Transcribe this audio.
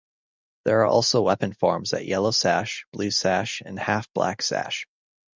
There are also weapons forms at Yellow sash, Blue Sash, and Half-Black sash.